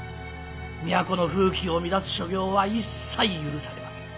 都の風紀を乱す所業は一切許されません。